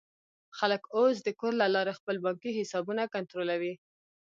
خلک اوس د کور له لارې خپل بانکي حسابونه کنټرولوي.